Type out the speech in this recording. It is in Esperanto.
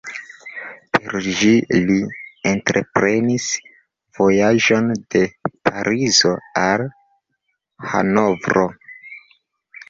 Per ĝi li entreprenis vojaĝon de Parizo al Hanovro.